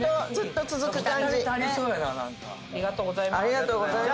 ありがとうございます。